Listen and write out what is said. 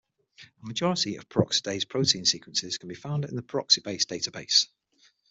A majority of peroxidase protein sequences can be found in the PeroxiBase database.